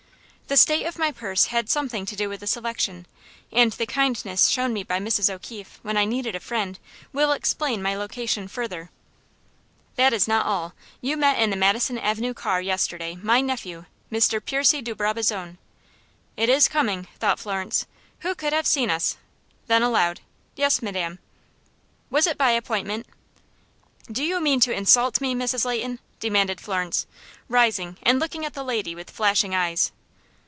"The state of my purse had something to do with the selection, and the kindness shown me by Mrs. O'Keefe, when I needed a friend, will explain my location further." "That is not all. You met in the Madison Avenue car yesterday my nephew, Mr. Percy de Brabazon." "It is coming," thought Florence. "Who could have seen us?" Then aloud: "Yes, madam." "Was it by appointment?" "Do you mean to insult me, Mrs. Leighton?" demanded Florence, rising and looking at the lady with flashing eyes.